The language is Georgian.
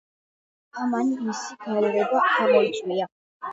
ამან მისი გაორება გამოიწვია.